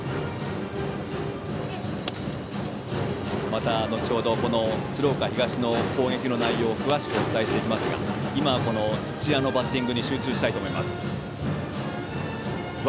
また後程鶴岡東の攻撃の内容を詳しくお伝えしていきますが今は土屋のバッティングに集中したいと思います。